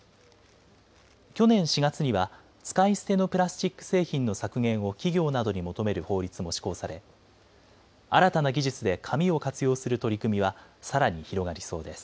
去年４月には使い捨てのプラスチック製品の削減を企業などに求める法律も施行され新たな技術で紙を活用する取り組みはさらに広がりそうです。